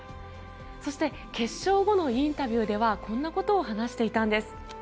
そして、決勝後のインタビューではこんなことを話していたんです。